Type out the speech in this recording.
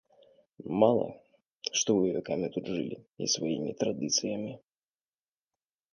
Мала, што вы вякамі тут жылі і сваімі традыцыямі.